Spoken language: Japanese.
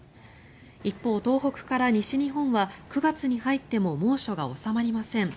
一方、東北から西日本は９月に入っても猛暑が収まりません。